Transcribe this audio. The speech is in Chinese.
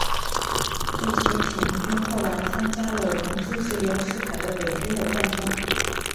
这些黔军后来参加了同支持袁世凯的北军的战争。